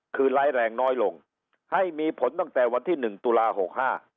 คือร้ายแรงน้อยลงให้มีผลตั้งแต่วันที่หนึ่งตุลาหกห้า